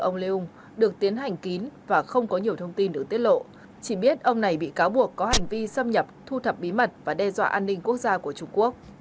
ông leeung được tiến hành kín và không có nhiều thông tin được tiết lộ chỉ biết ông này bị cáo buộc có hành vi xâm nhập thu thập bí mật và đe dọa an ninh quốc gia của trung quốc